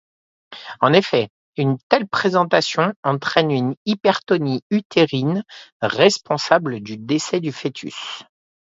En effet, une telle présentation entraîne une hypertonie utérine responsable du décès du fœtus.